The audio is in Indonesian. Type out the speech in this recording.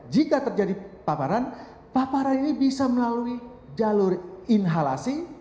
jika terjadi paparan paparan ini bisa melalui jalur inhalasi